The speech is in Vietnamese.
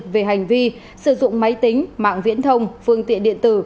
về hành vi sử dụng máy tính mạng viễn thông phương tiện điện tử